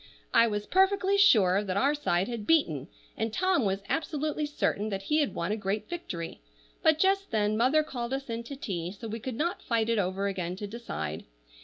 I was perfectly sure that our side had beaten, and Tom was absolutely certain that he had won a great victory; but just then mother called us in to tea, so we could not fight it over again to decide.